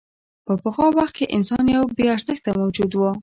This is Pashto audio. په پخوا وخت کې انسان یو بېارزښته موجود و.